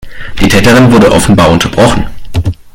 Die Täterin wurde offenbar unterbrochen.